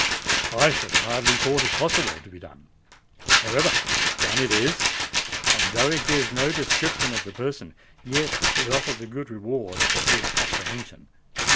I should have hardly thought it possible to be done. However, done it is—and, though it gives no description of the person, yet it offers a good reward for his apprehension.